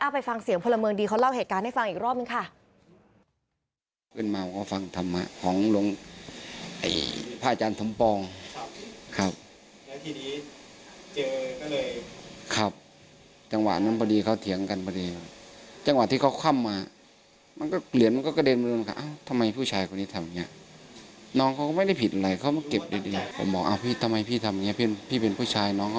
ไปฟังเสียงพลเมืองดีเขาเล่าเหตุการณ์ให้ฟังอีกรอบนึงค่ะ